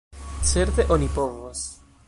Certe oni povos.